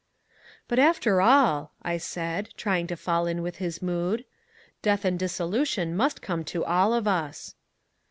"But after all," I said, trying to fall in with his mood, "death and dissolution must come to all of us."